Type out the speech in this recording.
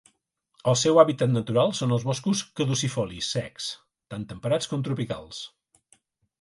El seu hàbitat natural són els boscos caducifolis secs, tant temperats com tropicals.